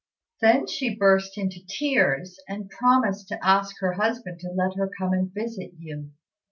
Then she burst into tears, and promised to ask her husband to let her come and visit you."